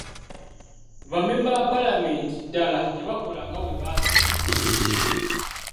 Ba mmemba ba paalamenti ddala tebakola nga bwe baasuubiza.